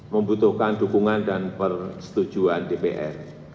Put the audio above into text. membutuhkan dukungan dan persetujuan dpr